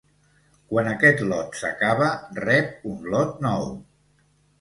Quan aquest lot s'acaba rep un lot nou.